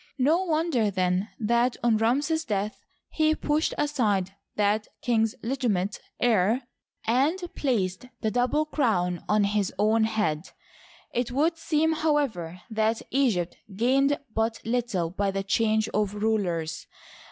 No wonder, then, that on Ramses's death he pushed aside that king's legiti mate heir and placed the double crown on his own head. . It would seem, however, that Egypt gained but little by the change of rulers.